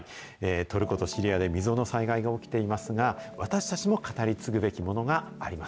トルコとシリアで未曽有の災害が起きていますが、私たちも語り継ぐべきものがあります。